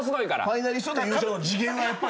ファイナリストと優勝は次元はやっぱり。